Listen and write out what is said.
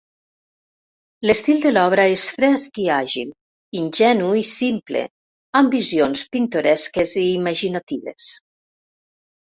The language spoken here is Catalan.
L'estil de l'obra és fresc i àgil, ingenu i simple, amb visions pintoresques i imaginatives.